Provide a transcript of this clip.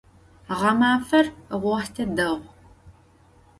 Ğemafer voxhte değu.